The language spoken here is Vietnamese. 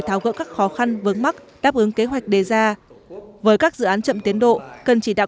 tháo gỡ các khó khăn vướng mắc đáp ứng kế hoạch đề ra với các dự án chậm tiến độ cần chỉ đạo